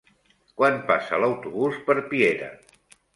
Quan passa l'autobús per Piera?